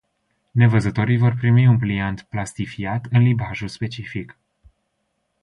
Nevăzătorii vor primi un pliant plastifiat în limbajul specific.